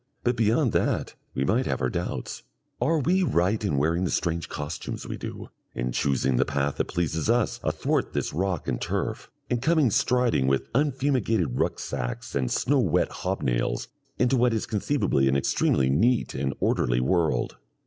But beyond that we might have our doubts. Are we right in wearing the strange costumes we do, in choosing the path that pleases us athwart this rock and turf, in coming striding with unfumigated rucksacks and snow wet hobnails into what is conceivably an extremely neat and orderly world?